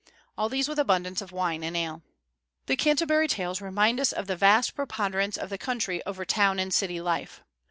All these with abundance of wine and ale. The "Canterbury Tales" remind us of the vast preponderance of the country over town and city life.